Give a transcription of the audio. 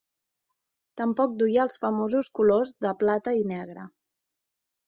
Tampoc duia els famosos colors de plata i negre.